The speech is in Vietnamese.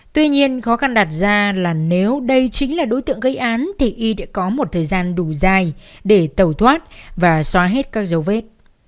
tuy nhiên khó khăn đặt ra là nếu đây chính là đối tượng gây án thì y đã có một thời gian đủ dài để tẩu thoát và xóa hết các dấu vết